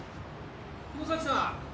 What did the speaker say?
城崎さん！